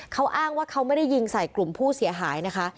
เขาอ้างว่าเขาไม่ได้ยิงใส่กลุ่มผู้เสียหายนะคะ